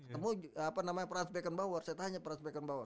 ketemu apa namanya franz beckenbauer saya tanya